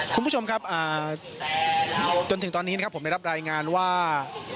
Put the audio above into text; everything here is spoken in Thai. คุณผู้ชมครับจนถึงตอนนี้นะครับผมได้รับรายงานว่า